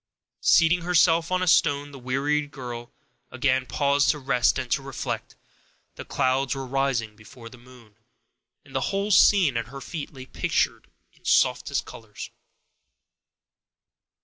Seating herself on a stone, the wearied girl again paused to rest and to reflect; the clouds were rising before the moon, and the whole scene at her feet lay pictured in softest colors.